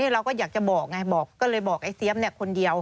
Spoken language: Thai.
เราก็อยากจะบอกไงบอกก็เลยบอกไอ้เสียมคนเดียว